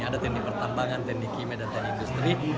ada teknik pertambangan teknik kimia dan teknik industri